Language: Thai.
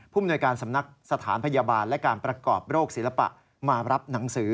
มนวยการสำนักสถานพยาบาลและการประกอบโรคศิลปะมารับหนังสือ